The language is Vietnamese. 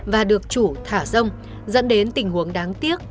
và được chủ thả rông dẫn đến tình huống đáng tiếc